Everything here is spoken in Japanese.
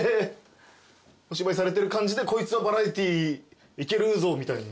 お芝居されてる感じでこいつはバラエティーいけるぞみたいに。